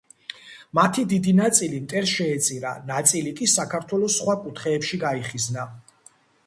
მათი დიდი ნაწილი მტერს შეეწირა, ნაწილი კი საქართველოს სხვა კუთხეებში გაიხიზნა.